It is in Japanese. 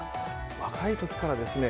若い時からですね